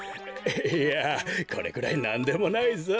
いやこれくらいなんでもないぞ。